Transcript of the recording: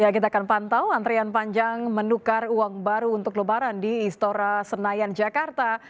kita akan pantau antrian panjang menukar uang baru untuk lebaran di istora senayan jakarta